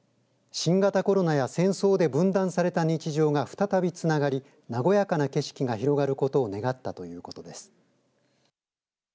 新型コロナや戦争で分断された日常が再びつながり和やかな景色が広がることを願ったということです。